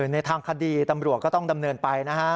ในทางคดีตำรวจก็ต้องดำเนินไปนะฮะ